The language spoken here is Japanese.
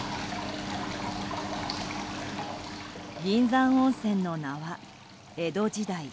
銀山温泉の名は江戸時代